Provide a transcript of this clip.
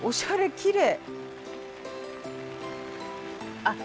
きれい。